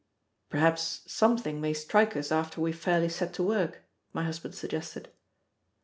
"Perhaps something may strike us after we have fairly set to work," my husband suggested.